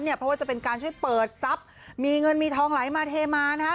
เพราะว่าจะเป็นการช่วยเปิดทรัพย์มีเงินมีทองไหลมาเทมานะฮะ